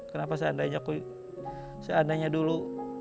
kenapa seandainya seandainya dulu